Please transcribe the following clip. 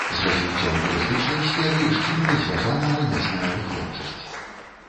З развіццём турыстычнай сферы шчыльна звязана рамесная вытворчасць.